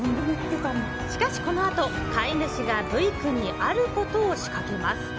しかし、このあと飼い主がブイ君にあることを仕掛けます。